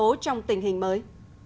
trong tình hình mới